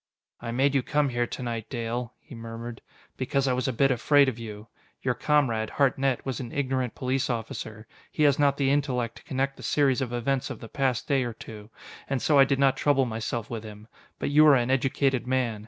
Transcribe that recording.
"I made you come here to night, Dale," he murmured, "because I was a bit afraid of you. Your comrade, Hartnett, was an ignorant police officer. He has not the intellect to connect the series of events of the past day or two, and so I did not trouble myself with him. But you are an educated man.